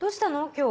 今日。